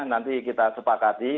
nanti kita sepakati